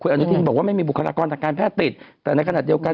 อนุทินบอกว่าไม่มีบุคลากรทางการแพทย์ติดแต่ในขณะเดียวกัน